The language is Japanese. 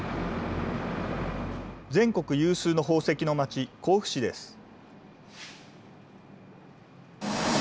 全国有数の宝石の町、甲府市です。